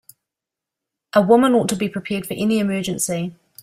A woman ought to be prepared for any emergency.